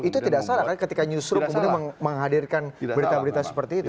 itu tidak salah kan ketika newsroom kemudian menghadirkan berita berita seperti itu